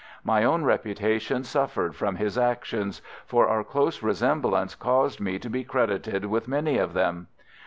My own reputation suffered from his actions, for our close resemblance caused me to be credited with many of them.